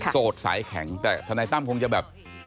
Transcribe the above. โสดสายแข็งแต่ทนายตั้มคงจะแบบ